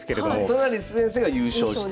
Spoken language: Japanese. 都成先生が優勝して。